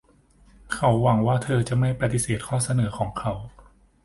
เขาหวังว่าเธอจะไม่ปฏิเสธข้อเสนอของเขา